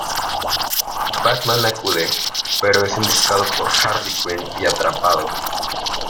Batman acude, pero es emboscado por Harley Quinn y atrapado.